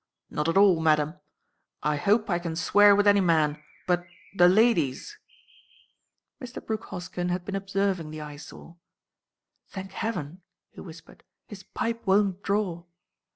"Not at all, ma'am. I hope I can swear with any man; but—the ladies!" Mr. Brooke Hoskyn had been observing the Eyesore. "Thank heaven," he whispered, "his pipe won't draw."